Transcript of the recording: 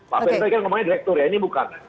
pak faisal itu kan namanya direktur ya ini bukan